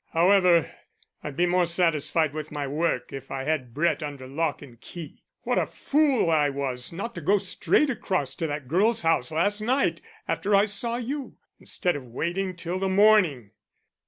However, I'd be more satisfied with my work if I had Brett under lock and key. What a fool I was not to go straight across to that girl's house last night after I saw you, instead of waiting till the morning!"